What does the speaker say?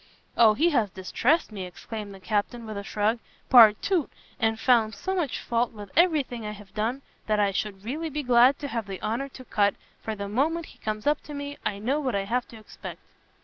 "O he has distressed me," exclaimed the Captain, with a shrug, "partout! and found so much fault with every thing I have done, that I should really be glad to have the honour to cut, for the moment he comes up to me, I know what I have to expect!"